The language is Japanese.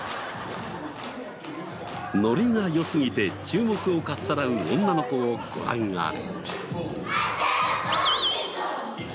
ノリが良すぎて注目をかっさらう女の子をご覧あれ。